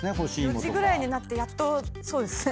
４時ぐらいになってやっとそうですね。